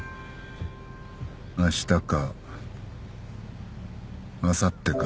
あしたかあさってか。